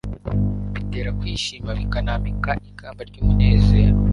bitera kwishima, bikanambika ikamba ry'umunezero